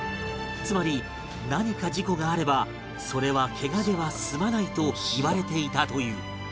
つまり何か事故があればそれはケガでは済まないといわれていたという